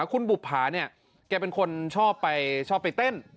คุณบุภาเนี่ยแกเป็นคนชอบไปเต้น